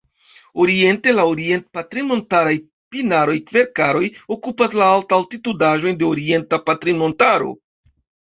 Oriente, la orient-patrinmontaraj pinaroj-kverkaroj okupas la alta-altitudaĵojn de Orienta Patrinmontaro.